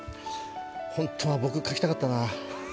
本当は僕、書きたかったな。